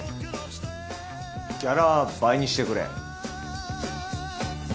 ギャラ倍にしてくれ。